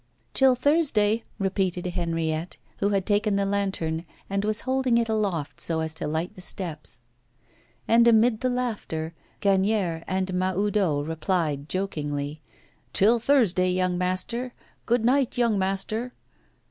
'Till Thursday!' repeated Henriette, who had taken the lantern and was holding it aloft so as to light the steps. And, amid the laughter, Gagnière and Mahoudeau replied, jokingly: 'Till Thursday, young master! Good night, young master!